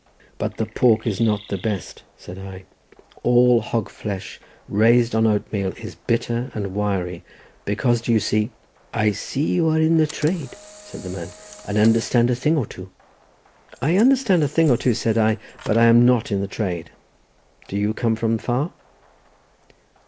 "But the pork is not the best," said I; "all hog flesh raised on oatmeal is bitter and wiry; because, do you see—" "I see you are in the trade," said the man, "and understand a thing or two." "I understand a thing or two," said I, "but I am not in the trade. Do you come from far?"